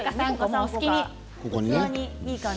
お好きに。